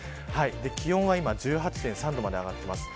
気温は１８．３度まで上がっています。